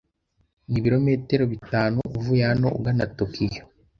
Nibirometero bitanu uvuye hano ugana Tokiyo.